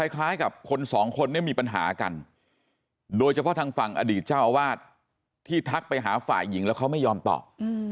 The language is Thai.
คล้ายกับคนสองคนเนี่ยมีปัญหากันโดยเฉพาะทางฝั่งอดีตเจ้าอาวาสที่ทักไปหาฝ่ายหญิงแล้วเขาไม่ยอมตอบ